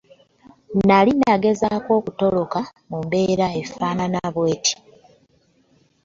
Nali nagezaako okutoloka mu mbeera efaananako bw'eti.